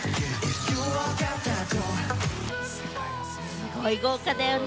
すごい豪華だよね。